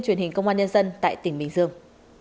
truyền hình công an nhân dân tại tỉnh bình dương